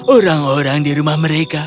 orang orang di rumah mereka